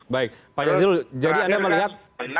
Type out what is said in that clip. baik pak jazilul jadi anda melihat